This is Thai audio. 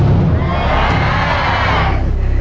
แก้ว